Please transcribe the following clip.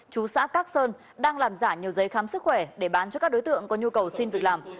chú xã cát sơn đang làm giả nhiều giấy khám sức khỏe để bán cho các đối tượng có nhu cầu xin việc làm